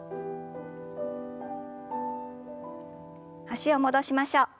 脚を戻しましょう。